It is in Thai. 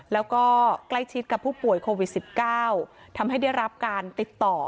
แล้วก็ใกล้ชิดกับผู้ป่วยโควิด๑๙ทำให้ได้รับการติดต่อ